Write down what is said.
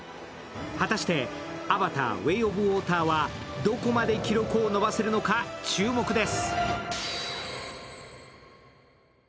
果たして「アバター：ウェイ・オブ・ウォーター」はどこまで記録を伸ばせるのか注目です。